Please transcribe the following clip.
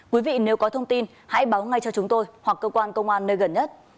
quý vị nếu có thông tin hãy báo ngay cho chúng tôi hoặc cơ quan công an nơi gần nhất